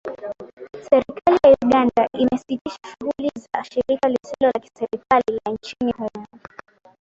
Serikali ya Uganda imesitisha shughuli za shirika lisilo la kiserikali la nchini humo